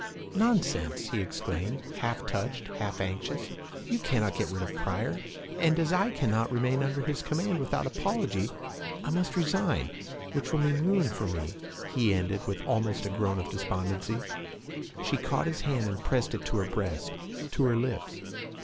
'Nonsense!' he exclaimed, half touched, half anxious. 'You cannot get rid of Pryor; and as I cannot remain under his command without apology, I must resign which will mean ruin for me,' he ended, with almost a groan of despondency. She caught his hand, and pressed it to her breast, to her lips.